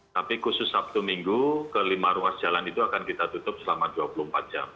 tapi khusus sabtu minggu ke lima ruas jalan itu akan kita tutup selama dua puluh empat jam